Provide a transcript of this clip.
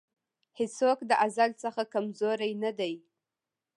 هېڅوک د ازل څخه کمزوری نه دی.